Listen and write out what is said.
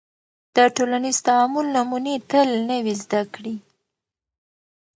د ټولنیز تعامل نمونې تل نوې زده کړې